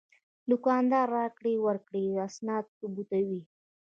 دوکاندار د راکړې ورکړې اسناد ثبتوي.